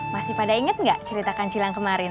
masih pada inget nggak ceritakan cilang kemarin